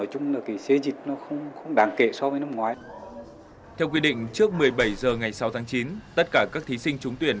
theo quy định trước một mươi bảy h ngày sáu tháng chín tất cả các thí sinh trúng tuyển